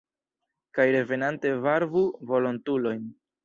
Kaj revenante varbu volontulojn!